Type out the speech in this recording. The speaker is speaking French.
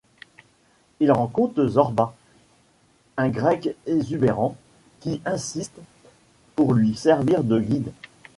Il rencontre Zorba, un Grec exubérant qui insiste pour lui servir de guide.